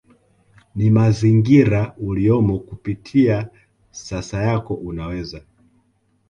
ni mazingira uliyomo Kupitia sasa yako unaweza